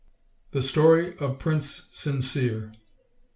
THE STORY OF PRINCE SINCERE.